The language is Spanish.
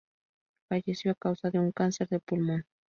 Falleció a causa de un cáncer de pulmón.